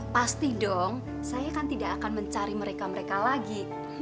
pasti dong saya kan tidak akan mencari mereka mereka lagi